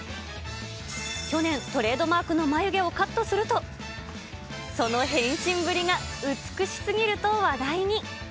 去年、トレードマークの眉毛をカットすると、その変身ぶりが美しすぎると話題に。